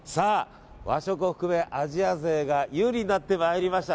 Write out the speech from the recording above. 和食を含めアジア勢が有利になってまいりました。